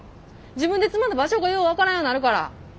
自分で積まんと場所がよう分からんようになるから。